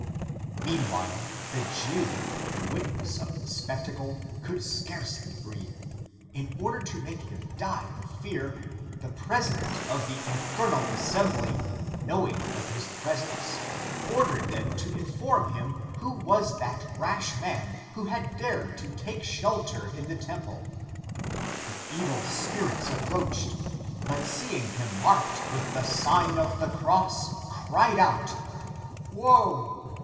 "Meanwhile the Jew, the witness of the spectacle, could scarcely breathe. In order to make him die of fear, the president of the infernal assembly, knowing of his presence, ordered them to inform him who was that rash man who had dared to take shelter in the temple. The evil spirits approached, but seeing him marked with the Sign of the Cross, cried out: Woe!